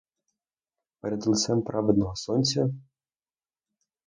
Перед лицем праведного сонця?